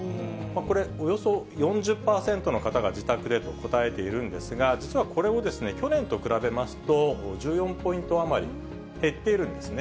これ、およそ４０％の方が自宅でと答えているんですが、実はこれを去年と比べますと、１４ポイント余りへっているんですね。